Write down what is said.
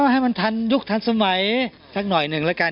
ให้มันทันยุคทันสมัยสักหน่อยหนึ่งแล้วกัน